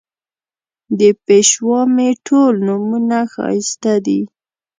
د پېشوا مې ټول نومونه ښایسته دي